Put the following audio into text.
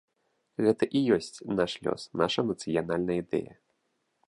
Гэта і ёсць наш лёс, наша нацыянальная ідэя.